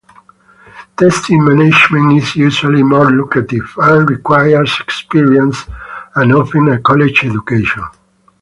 Testing management is usually more lucrative, and requires experience and often a college education.